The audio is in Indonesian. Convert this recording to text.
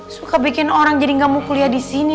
suka bikin orang jadi gak mau kuliah disini